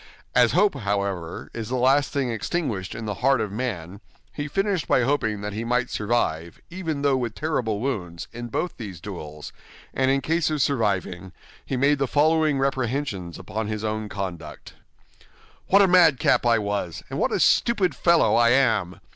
As hope, however, is the last thing extinguished in the heart of man, he finished by hoping that he might survive, even though with terrible wounds, in both these duels; and in case of surviving, he made the following reprehensions upon his own conduct: "What a madcap I was, and what a stupid fellow I am!